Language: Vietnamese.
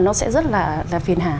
nó sẽ rất là phiền hà